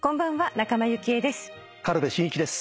仲間由紀恵です。